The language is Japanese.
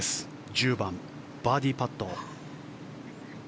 １０番、バーディーパット。